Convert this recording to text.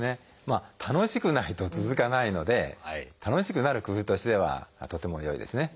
まあ楽しくないと続かないので楽しくなる工夫としてはとても良いですね。